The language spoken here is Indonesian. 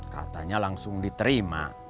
katanya langsung diterima